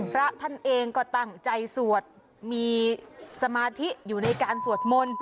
พระท่านเองก็ตั้งใจสวดมีสมาธิอยู่ในการสวดมนต์